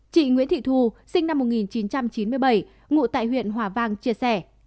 chị nguyễn thị thù sinh năm một nghìn chín trăm chín mươi bảy ngụ tại huyện hòa vang chia sẻ